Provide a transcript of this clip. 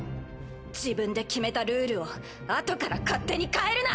自分で決めたルールをあとから勝手に変えるな。